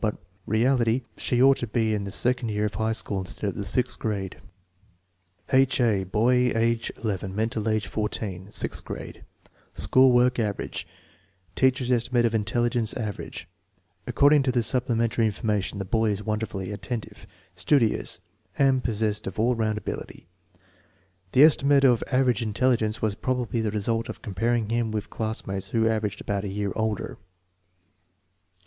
In reality she ought to be in the second year of high school instead of in the sixth grade. * Sw )>. I3/. SOURCES OF ERROR IN JUDGING 27 H. A. Boy, age 11; mental age 14; sixth grade; school work "aver age"; teacher's estimate of intelligence "average" According to the supplementary information the boy is "wonderfully attentive," "si.udious," and possessed of "all round ability." The estimate of "average intelligence'* was probably the result of comparing him with classmates who averaged about a year older.